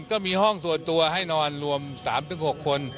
ก็มีห้องส่วนตัวให้นอนรวม๓๖คน